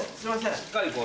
しっかりこう。